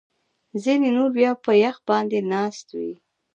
ځینې نور بیا په یخ باندې ناست وي